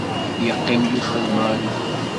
Yeqqim Yuba d Mary.